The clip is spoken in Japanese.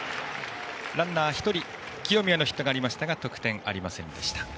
ランナー１人清宮のヒットがありましたがファイターズ得点ありませんでした。